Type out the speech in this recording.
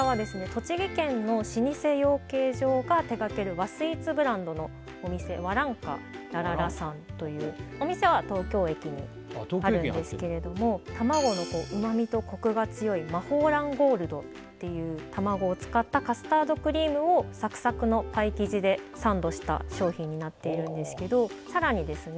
栃木県の老舗養鶏場が手がける和スイーツブランドのお店和卵菓らららさんというお店は東京駅にあるんですけれども卵のうまみとコクが強い磨宝卵ＧＯＬＤっていう卵を使ったカスタードクリームをサクサクのパイ生地でサンドした商品になっているんですけどさらにですね